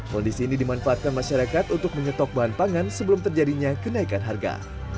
kondisi ini dimanfaatkan masyarakat untuk menyetok bahan pangan sebelum terjadinya kenaikan harga